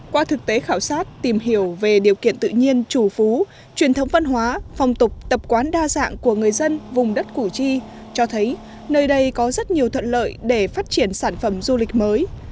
qua thực tế khảo sát tìm hiểu về điều kiện tự nhiên chủ phú truyền thống văn hóa phong tục tập quán đa dạng của người dân vùng đất củ chi cho thấy nơi đây có rất nhiều thuận lợi để phát triển sản phẩm du lịch mới